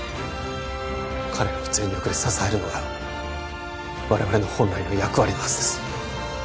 彼らを全力で支えるのが我々の本来の役割のはずです